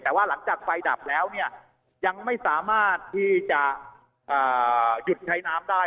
แต่ว่าหลังจากไฟดับแล้วเนี่ยยังไม่สามารถที่จะหยุดใช้น้ำได้